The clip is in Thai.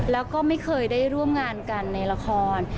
แล้วก็ไม่เคยได้ร่วมงานกันในละคร